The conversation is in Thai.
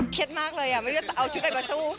เคศมากเลยไม่รู้สิเอาชุดกันมาสู้